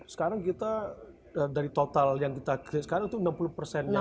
sekarang kita dari total yang kita sekarang itu enam puluh persennya